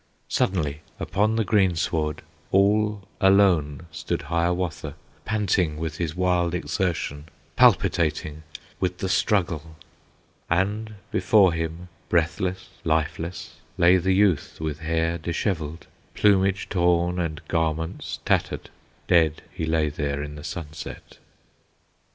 Suddenly upon the greensward All alone stood Hiawatha, Panting with his wild exertion, Palpitating with the struggle; And before him breathless, lifeless, Lay the youth, with hair dishevelled, Plumage torn, and garments tattered, Dead he lay there in the sunset.